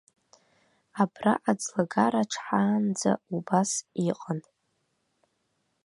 Абра аӡлагараҿ ҳаанӡа убас иҟан.